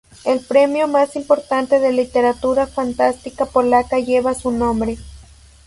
El Premio más importante de Literatura Fantástica Polaca lleva su nombre.